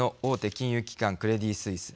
金融機関クレディ・スイス。